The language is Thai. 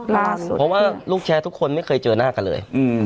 ล่าสุดเพราะว่าลูกแชร์ทุกคนไม่เคยเจอหน้ากันเลย